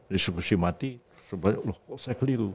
disitusi mati saya keliru